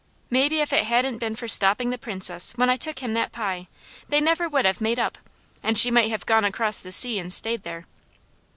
Maybe if it hadn't been for stopping the Princess when I took him that pie, they never would have made up, and she might have gone across the sea and stayed there.